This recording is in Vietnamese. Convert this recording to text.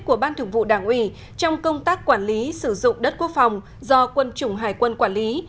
của ban thường vụ đảng ủy trong công tác quản lý sử dụng đất quốc phòng do quân chủng hải quân quản lý